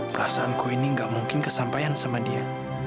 perasaanku ini gak mungkin kesampaian sama dia